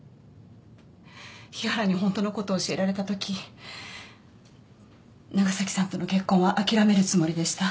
日原に本当の事を教えられた時長崎さんとの結婚は諦めるつもりでした。